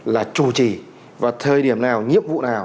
là chủ trì và thời điểm nào nhiệm vụ nào